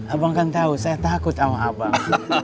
abang kan tahu saya takut sama abang